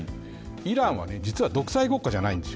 イランは実は独裁国家じゃないんです。